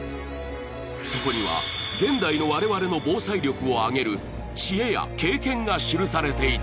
そこには現代の我々の防災力を上げる知恵や経験が記されていた